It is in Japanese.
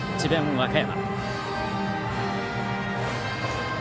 和歌山。